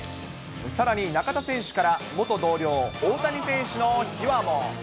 さらに、中田選手から元同僚、大谷選手の秘話も。